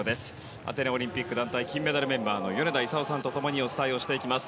アテネオリンピック団体金メダルメンバーの米田功さんと共にお伝えをしていきます。